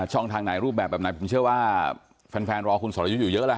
ช่องทางไหนรูปแบบแบบไหนผมเชื่อว่าแฟนรอคุณสรยุทธ์อยู่เยอะแล้ว